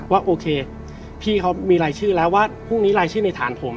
ว่าโอเคพี่เขามีรายชื่อแล้วว่าพรุ่งนี้รายชื่อในฐานผม